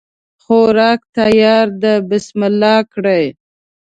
خوراک تیار ده بسم الله کړی